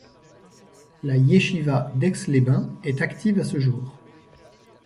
La Yechiva d'Aix-les-Bains est active à ce jour.